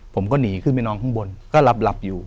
ผมก็หนีขึ้นไปนอนข้างบนก็หลับอยู่